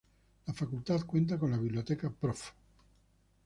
La Facultad cuenta con la Biblioteca Prof.